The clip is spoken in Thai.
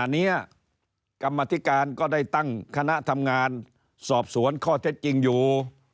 อันนี้กรรมธิการก็ได้ตั้งคณะทำงานสอบสวนข้อเท็จจริงอยู่